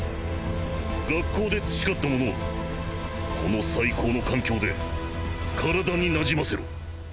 学校で培ったものをこの最高の環境で体になじませろ。